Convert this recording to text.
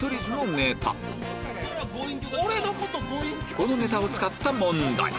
このネタを使った問題